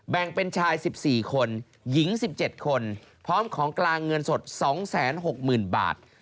แบ่งเป็นชาย๑๔คนหญิง๑๗คนพร้อมของกลางเงินสด๒๖๐๐๐บาท